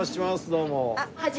どうも。